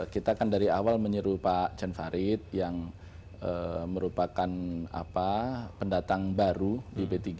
kita kan dari awal menyeru pak jan farid yang merupakan pendatang baru di p tiga